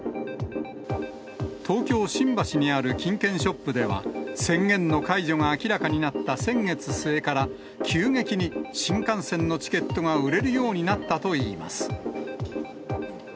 東京・新橋にある金券ショップでは、宣言の解除が明らかになった先月末から、急激に新幹線のチケットが売れるようになったといいます。